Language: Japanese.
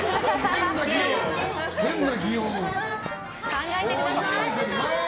考えてください。